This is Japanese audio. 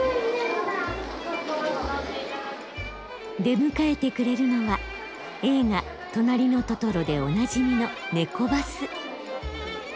出迎えてくれるのは映画「となりのトトロ」でおなじみの「ネコバス」。